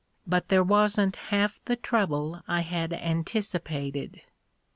But there wasn't half the trouble I had anticipated.